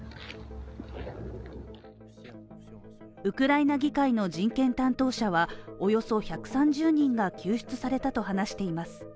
ウクライナ議会の人権担当者はおよそ１３０人が救出されたと話しています。